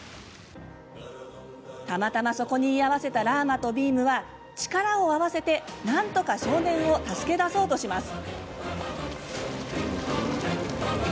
たまたまそこに居合わせたラーマとビームは力を合わせて、なんとか少年を助け出そうとします。